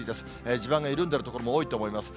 地盤が緩んでいる所も多いと思います。